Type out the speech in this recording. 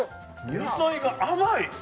野菜が甘い！